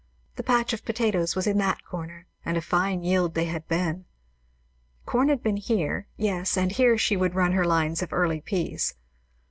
The patch of potatoes was in that corner, and a fine yield they had been. Corn had been here; yes, and here she would run her lines of early peas.